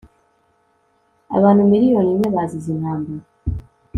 abantu miliyoni imwe bazize intambara